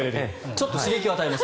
ちょっと刺激を与えます。